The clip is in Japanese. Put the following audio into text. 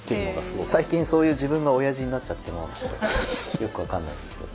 最近そういう自分が親父になっちゃってちょっとよく分かんないですけど。